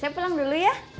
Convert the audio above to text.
saya pulang dulu ya